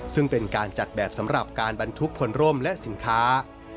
ซึ่งเป็นการจัดแบบสำหรับการบรรทุกผลร่มและสินค้า